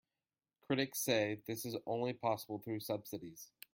Critics say that this is only possible through subsidies.